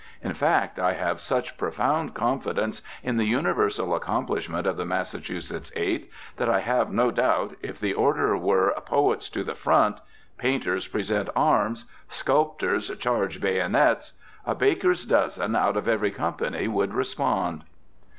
In fact, I have such profound confidence in the universal accomplishment of the Massachusetts Eighth, that I have no doubt, if the order were, "Poets to the front!" "Painters present arms!" "Sculptors charge bagonets!" a baker's dozen out of every company would respond.